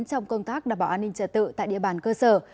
trong công tác đảm bảo an ninh trật tự tại địa bàn cơ sở